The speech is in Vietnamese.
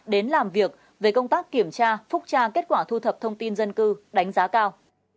đến làm việc về công tác kiểm tra phúc tra kết quả thu thập thông tin dân cư đánh giá cao